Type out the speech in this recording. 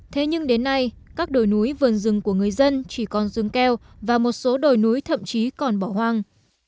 thế nhưng đến nay các đồi núi vườn rừng của người dân chỉ còn rừng keo và một số đồi núi thậm chí còn bỏ hoang